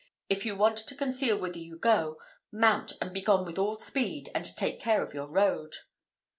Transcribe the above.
If you want to conceal whither you go, mount and begone with all speed, and take care of your road."